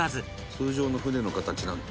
「通常の船の形なんだね」